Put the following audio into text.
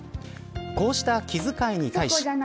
こうした気遣いに対し。